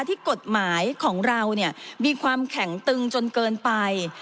ที่กฎหมายของเราเนี่ยมีความแข็งตึงจนเกินไป